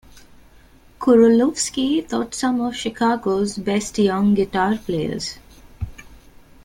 Curulewski taught some of Chicago's best young guitar players.